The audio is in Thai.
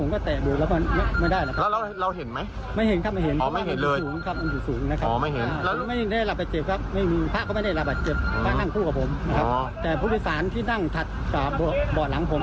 ก็นั่งคู่กับผมแต่ผู้พิสารที่นั่งถัดกับบอดหลังผม